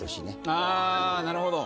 あなるほど。